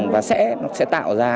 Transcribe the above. và sẽ nó sẽ tạo ra